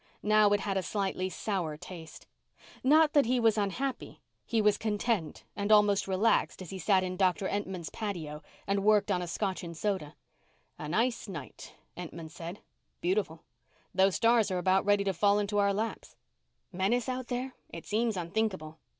Now it had a slightly sour taste. Not that he was unhappy. He was content and almost relaxed as he sat in Doctor Entman's patio and worked on a Scotch and soda. "A nice night," Entman said. "Beautiful. Those stars are about ready to fall into our laps." "Menace out there? It seems unthinkable."